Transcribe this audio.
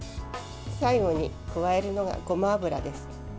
最後に加えるのがごま油です。